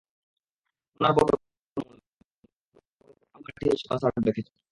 রমনার বটমূল, ধানমন্ডি রবীন্দ্র সরোবর হয়ে আবাহনী মাঠে এসে কনসার্ট দেখেছেন।